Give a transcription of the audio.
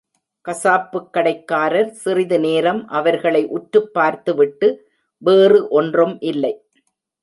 கசாப்புக் கடைக்காரர் சிறிது நேரம் அவர்களை உற்றுப் பார்த்துவிட்டு, வேறு ஒன்றும் இல்லை.